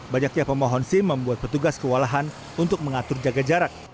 banyaknya pemohon sim membuat petugas kewalahan untuk mengatur jaga jarak